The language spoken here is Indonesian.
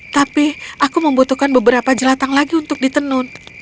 tapi aku membutuhkan beberapa jelatang lagi untuk ditenun